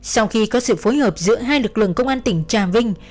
sau khi có sự phối hợp giữa hai lực lượng công an tỉnh trà vinh